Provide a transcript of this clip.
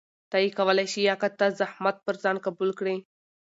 ته يې کولى شې يا که ته زحمت پر ځان قبول کړي؟